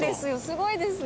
すごいですね！